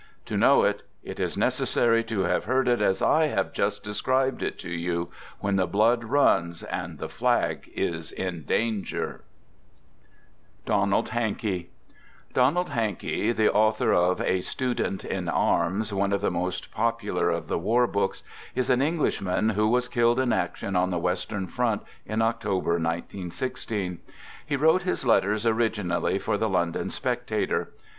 To know it, it is necessary to have heard it as I have just described it to you, when the blood runs, and the flag is in danger. " Lettres du Front," par Victor Giraud. Rcvuc des Deux Mondes. Digitized by DONALD HANKEY Donald Hankey, the author of " A Student in Arms," one of the most popular of the war books, is an Englishman, who was killed in action on the western front in October, 191 6. He wrote his let ters originally for the London Spectator.